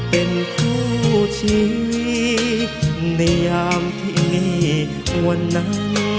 เป็นคู่ชี้ในยามที่มีวันนั้น